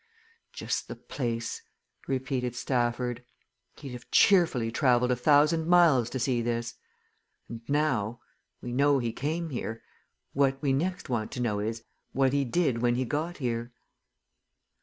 "Just the place!" repeated Stafford. "He'd have cheerfully travelled a thousand miles to see this. And now we know he came here what we next want to know is, what he did when he got here?"